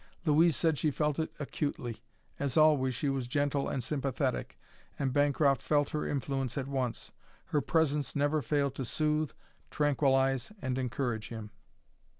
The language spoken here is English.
Louise said she felt it acutely. As always, she was gentle and sympathetic, and Bancroft felt her influence at once. Her presence never failed to soothe, tranquillize, and encourage him.